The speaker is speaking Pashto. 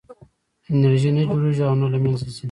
انرژي نه جوړېږي او نه له منځه ځي.